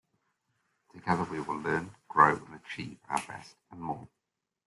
Together, we will learn, grow and achieve our best and more.